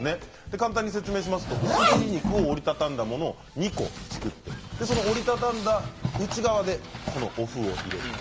簡単に説明しますと薄切り肉を折り畳んだものを２個作って折り畳んだ内側でお麩を入れる。